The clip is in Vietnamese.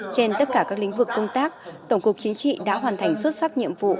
trên tất cả các lĩnh vực công tác tổng cục chính trị đã hoàn thành xuất sắc nhiệm vụ